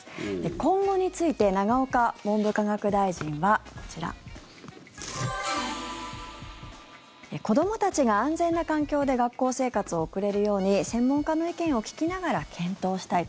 今後について永岡文部科学大臣はこちら子どもたちが安全な環境で学校生活を送れるように専門家の意見を聞きながら検討したいと。